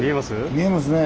見えますね。